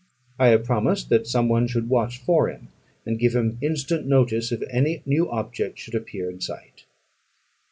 I have promised that some one should watch for him, and give him instant notice if any new object should appear in sight.